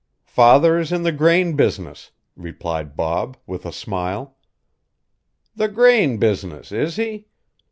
"Father is in the grain business," replied Bob with a smile. "The grain business, is he?